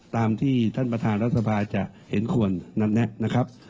ตามที่ท่านประธานรัฐสภาจะเห็นควรนำแนะนะครับ